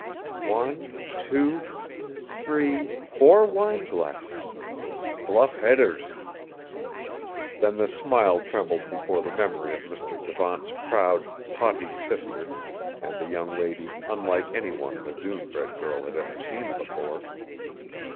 One, two, three, four wineglasses. Bluff Headers!" Then the smile trembled before the memory of Mr. Devant's proud, haughty sister and the young lady unlike any one the dune bred girl had ever seen before.